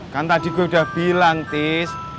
kan tadi gue udah bilang tis